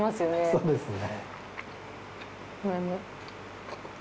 そうですね。